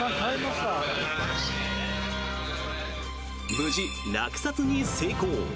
無事、落札に成功。